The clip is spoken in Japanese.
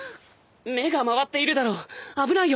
目が回っているだろう危ないよ。